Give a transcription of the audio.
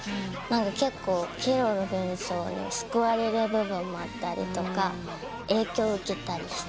結構『ケロロ軍曹』には救われる部分もあったりとか影響を受けたりして。